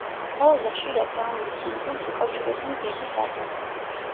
ყველაზე ხშირად დაუნის სინდრომს უკავშირებენ დედის ასაკს.